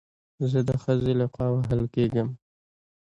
زه د خځې له خوا وهل کېږم